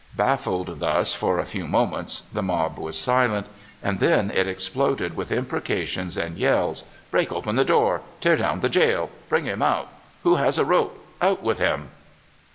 Bafl^ed thus, for a few moments the mob was silent, and then it exploded with imprecations and yells: *' Break open the door! " '*Tear down the jail!" Bring him out!" "Who has a rope?" "Out with him!"